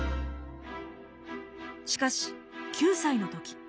しかし９歳の時。